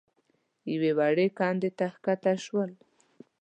يوې وړې کندې ته کښته شول.